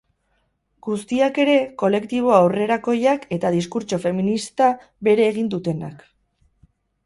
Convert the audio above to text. Guztiak ere, kolektibo aurrerakoiak eta diskurtso feminista bere egin dutenak.